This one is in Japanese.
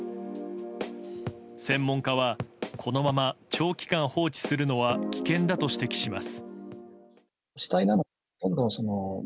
専門家はこのまま長期間放置するのは危険だと指摘します。